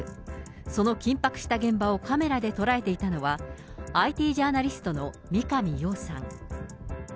その緊迫した現場をカメラで捉えていたのは、ＩＴジャーナリストの三上洋さん。